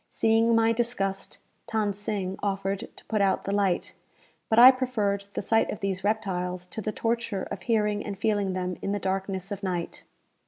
Seeing my disgust, Than Sing offered to put out the light; but I preferred the sight of these reptiles to the torture of hearing and feeling them in the darkness of night.